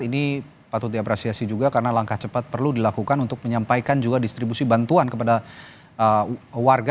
ini patut diapresiasi juga karena langkah cepat perlu dilakukan untuk menyampaikan juga distribusi bantuan kepada warga